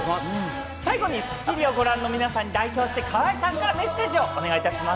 最後に『スッキリ』をご覧の皆さんに代表して河合さん、メッセージをお願いします。